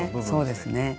そうですね。